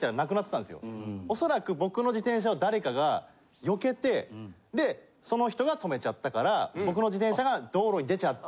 おそらく僕の自転車を誰かがよけてでその人がとめちゃったから僕の自転車が道路に出ちゃって。